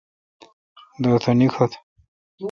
دورتھ نیکھوتہ